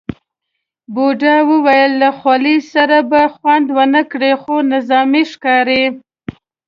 بوډا وویل له خولۍ سره به خوند ونه کړي، خو نظامي ښکاري.